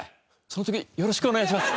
その時よろしくお願いします。